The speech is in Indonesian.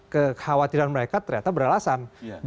kekhawatiran mereka ternyata beralasan